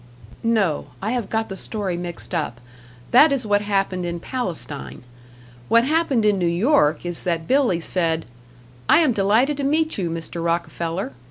No, I have got the story mixed up. That is what happened in Palestine. What happened in New York is that Billy said, "I am delighted to meet you, Mr. Rockefeller."